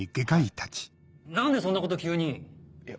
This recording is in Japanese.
何でそんなこと急に。